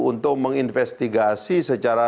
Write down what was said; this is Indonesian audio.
untuk menginvestigasi secara